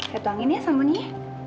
saya tuangkan ya sambalnya